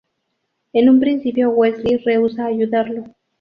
En un principio Wesley rehúsa ayudarlo.